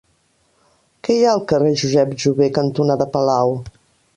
Què hi ha al carrer Josep Jover cantonada Palau?